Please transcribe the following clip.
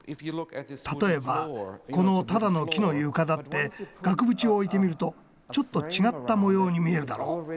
例えばこのただの木の床だって額縁を置いて見るとちょっと違った模様に見えるだろう？